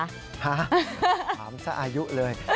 ถามซะอายุเลย